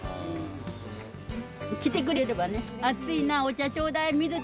来てくれればね。